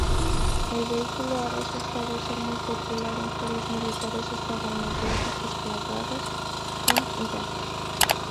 El vehículo ha resultado ser muy popular entre los militares estadounidenses desplegados en Irak.